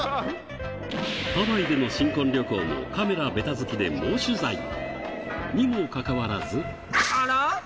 ハワイでの新婚旅行もカメラベタ付きで猛取材。にもかかわらず。